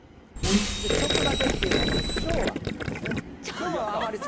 ちょっとだけっていうのは、これ、昭和ですね。